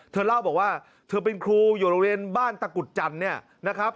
เธอเล่าบอกว่าเธอเป็นครูอยู่โรงเรียนบ้านตะกุดจันทร์เนี่ยนะครับ